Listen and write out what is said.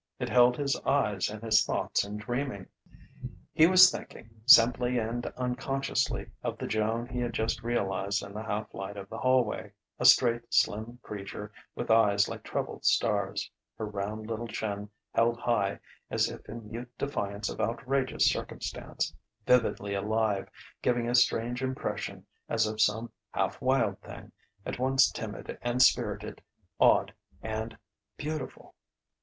It held his eyes and his thoughts in dreaming. He was thinking, simply and unconsciously, of the Joan he had just realized in the half light of the hallway: a straight, slim creature with eyes like troubled stars, her round little chin held high as if in mute defiance of outrageous circumstance; vividly alive; giving a strange impression, as of some half wild thing, at once timid and spirited, odd and beautiful.